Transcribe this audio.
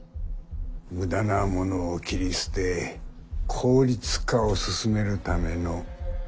無駄なものを切り捨て効率化を進めるためのコマだ。